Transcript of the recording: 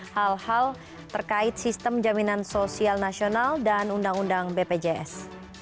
hal hal terkait sistem jaminan sosial nasional dan undang undang bpjs